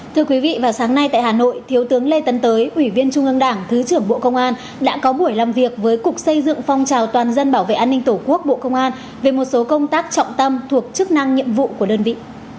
thưa quý vị vào sáng nay tại hà nội thiếu tướng lê tấn tới ủy viên trung ương đảng thứ trưởng bộ công an đã có buổi làm việc với cục xây dựng phong trào toàn dân bảo vệ an ninh tổ quốc bộ công an về một số công tác trọng tâm thuộc chức năng nhiệm vụ của đơn vị